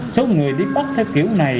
số người đi bắc theo kiểu này